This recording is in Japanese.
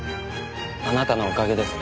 あなたのおかげです。